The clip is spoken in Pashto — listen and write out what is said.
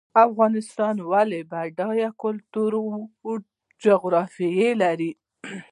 افغانستان ولې بډایه کلتوري جغرافیه لري؟